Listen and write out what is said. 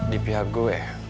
di pihak gue